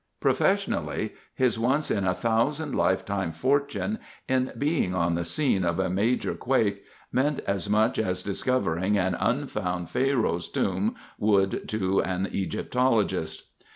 Professionally, his once in a thousand lifetimes fortune in being on the scene of a major quake meant as much as discovering an unfound Pharaoh's tomb would to an Egyptologist.